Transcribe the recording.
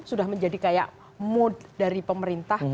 sudah menjadi kayak mood dari pemerintah